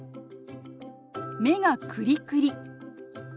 「目がクリクリ」。